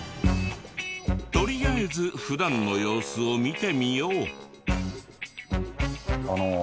とりあえず普段の様子を見てみよう。